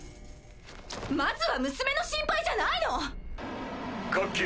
まずは娘の心配じゃないの⁉各機